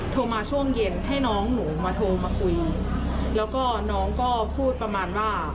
โทรมาช่วงเย็นให้น้องหนูมาโทรมาคุยแล้วก็น้องก็พูดประมาณว่า